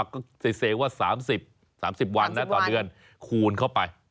ก็เซว่า๓๐๓๐วันนะต่อเดือนคูณเข้าไป